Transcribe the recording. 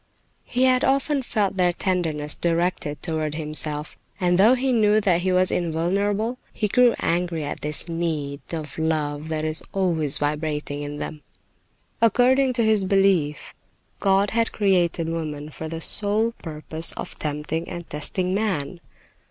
He had often felt their tenderness directed toward himself, and though he knew that he was invulnerable, he grew angry at this need of love that is always vibrating in them. According to his belief, God had created woman for the sole purpose of tempting and testing man.